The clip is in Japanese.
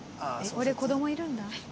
「俺子どもいるんだ」。